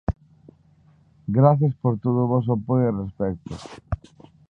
Grazas por todo o voso apoio e respecto!